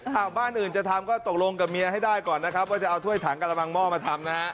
หากบ้านอื่นจะทำก็ตกลงกับเมียให้ได้ก่อนนะครับว่าจะเอาถ้วยถังกระบังหม้อมาทำนะฮะ